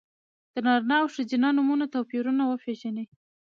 د نارینه او ښځینه نومونو توپیرونه وپېژنئ!